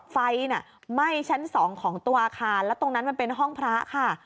ไฟไหม้ชั้น๒ของตัวอาคารแล้วตรงนั้นมันเป็นห้องพระค่ะ